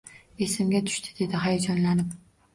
Esimga tushdi, dedi hayajonlanib